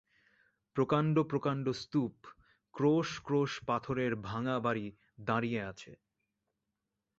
প্রকাণ্ড প্রকাণ্ড স্তূপ, ক্রোশ ক্রোশ পাথরের ভাঙা বাড়ী দাঁড়িয়ে আছে।